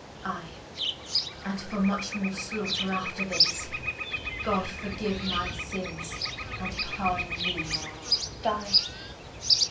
I, and for much more slaughter after this, O God forgiue my sinnes, and pardon thee. Dyes.